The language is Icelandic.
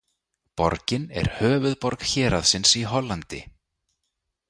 Borgin er höfuðborg héraðsins í Hollandi.